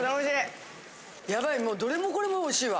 やばいもうどれもこれもおいしいわ。